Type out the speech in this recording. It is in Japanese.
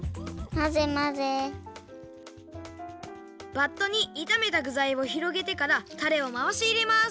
バットにいためたぐざいをひろげてからタレをまわしいれます。